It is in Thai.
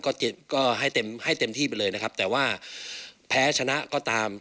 ก็ให้เต็มที่ไปเลยนะครับแต่ว่าแพ้ชนะก็ตาม